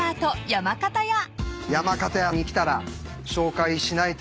山形屋に来たら紹介しないといけない